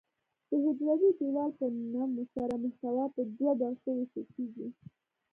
د حجروي دیوال په نمو سره محتوا په دوه برخو ویشل کیږي.